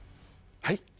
はい？